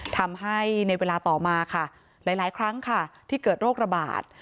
ทำให้ในเวลาต่อมาค่ะหลายครั้งค่ะที่เกิดโรคระบาด